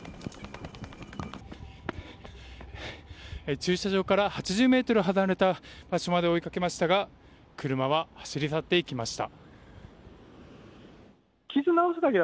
駐車場から８０ｍ離れた場所まで追いかけましたが車は走り去っていきました。